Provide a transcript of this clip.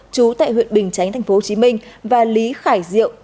chú tại huyện bình chánh tp hcm và lý khải diệu